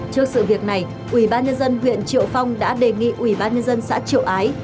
trước sự việc này ubnd huyện triệu phong đã đề nghị ubnd xã triệu ái